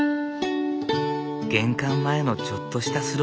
玄関前のちょっとしたスロープ。